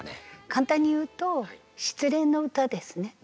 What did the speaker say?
簡単に言うと失恋の歌ですね。